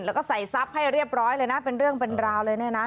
แล้วก็ใส่ทรัพย์ให้เรียบร้อยเลยนะเป็นเรื่องเป็นราวเลยเนี่ยนะ